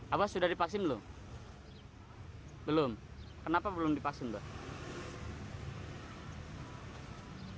abah sudah divaksin belum belum kenapa belum divaksin pak